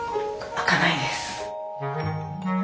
開かないです。